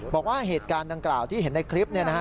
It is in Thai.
บอกว่าเหตุการณ์ดังกล่าวที่เห็นในคลิป